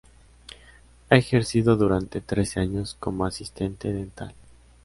Ha ejercido durante trece años como asistente dental.